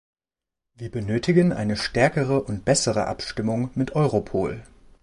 Wir benötigen eine stärkere und bessere Abstimmung mit Europol.